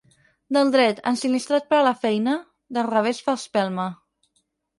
Del dret, ensinistrat per a la feina, del revés fa espelma.